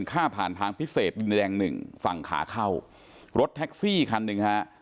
ค่าผ่านทางพิเศษดินแดงหนึ่งฝั่งขาเข้ารถแท็กซี่คันหนึ่งฮะ